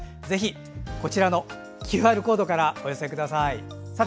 ぜひ、こちらのＱＲコードからお寄せください。